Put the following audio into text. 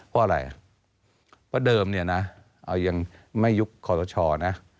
เพราะอะไรเพราะเดิมเนี่ยนะเอายังไม่ยุคคอสชนะ